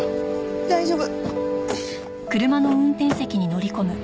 大丈夫。